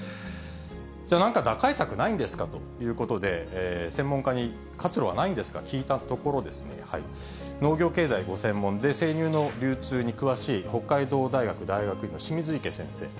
じゃあ、なんか打開策ないんですかということで、専門家に活路はないんですかと聞いたところですね、農業経済がご専門で生乳の流通に詳しい北海道大学大学院の清水池先生。